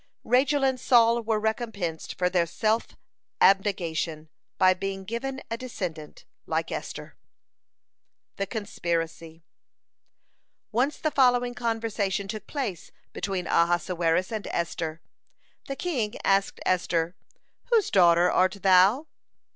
Rachel and Saul were recompensed for their self abnegation by being given a descendant like Esther. (86) THE CONSPIRACY Once the following conversation took place between Ahasuerus and Esther. The king asked Esther: "Whose daughter art thou?"